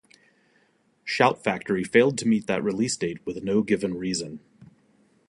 Shout Factory failed to meet that release date with no reason given.